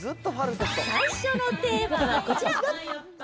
最初のテーマはこちら。